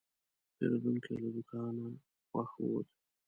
پیرودونکی له دوکانه خوښ ووت.